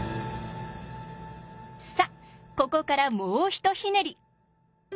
さあここからもう一ひねり。